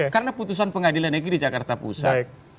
karena putusan pengadilan negeri di jakarta pusat